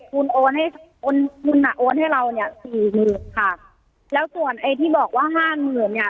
คุณโอนให้โอนคุณอ่ะโอนให้เราเนี่ยสี่หมื่นค่ะแล้วส่วนไอ้ที่บอกว่าห้าหมื่นเนี่ย